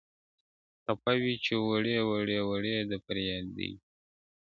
خپه وې چي وړې ، وړې ،وړې د فريادي وې